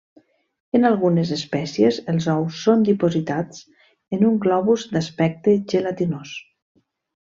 En algunes espècies, els ous són dipositats en un globus d'aspecte gelatinós.